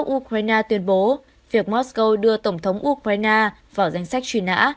ukraine tuyên bố việc mosco đưa tổng thống ukraine vào danh sách truy nã